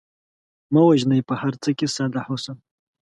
مه وژنئ په هر څه کې ساده حسن